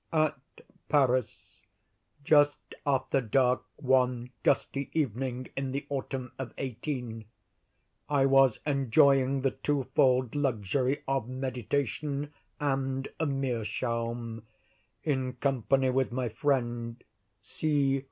At Paris, just after dark one gusty evening in the autumn of 18 , I was enjoying the twofold luxury of meditation and a meerschaum, in company with my friend C.